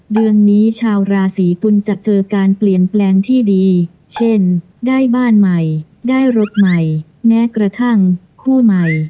เดือนนี้ชาวราศีกุลจะเจอการเปลี่ยนแปลงที่ดีเช่นได้บ้านใหม่ได้รถใหม่แม้กระทั่งคู่ใหม่